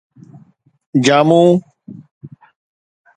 جامو